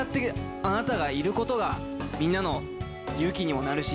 あなたがいることがみんなの勇気にもなるし